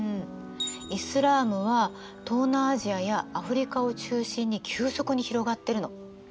イスラームは東南アジアやアフリカを中心に急速に広がってるの。